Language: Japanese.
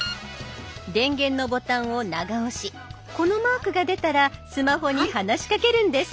電源のボタンを長押しこのマークが出たらスマホに話しかけるんです。